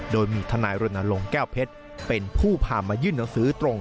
โดยมีทนายรณรงค์แก้วเพชรเป็นผู้พามายื่นหนังสือตรง